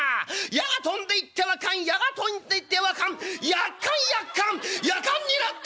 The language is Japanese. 矢が飛んでいってはカン矢が飛んでいってはカンやっかんやっかんやかんになった！」。